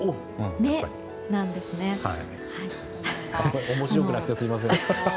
面白くなくてすみません。